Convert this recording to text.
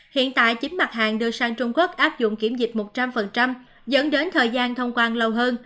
hiện tại chín mặt hàng đưa sang trung quốc áp dụng kiểm dịch một trăm linh dẫn đến thời gian thông quan lâu hơn